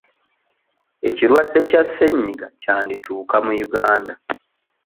Ekirwadde kya ssenyiga kyandituuka mu Uganda